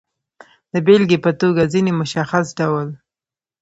د بېلګې په توګه، ځینې مشخص ډول